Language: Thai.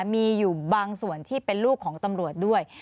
มีอยู่บางส่วนที่เป็นลูกของตำรวจด้วย